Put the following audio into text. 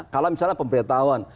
kalau misalnya pemberitahuan